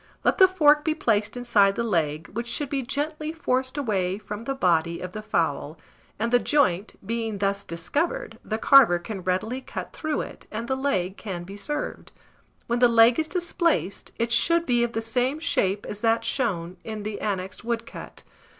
Let the fork be placed inside the leg, which should be gently forced away from the body of the fowl; and the joint, being thus discovered, the carver can readily cut through it, and the leg can be served. When the leg is displaced, it should be of the same shape as that shown in the annexed woodcut.